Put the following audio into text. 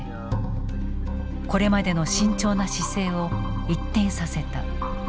これまでの慎重な姿勢を一転させた。